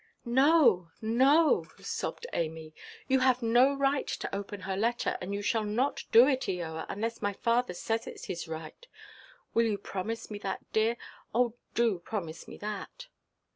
"No, no!" sobbed Amy, "you have no right to open her letter, and you shall not do it, Eoa, unless my father says that it is right. Will you promise me that, dear? Oh, do promise me that."